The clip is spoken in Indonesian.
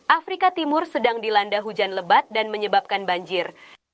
afrika timur sedang dilanda hujan lebat dan menyebabkan banjir